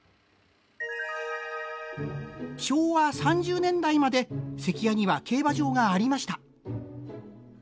昭和３０年代まで関屋には競馬場がありました。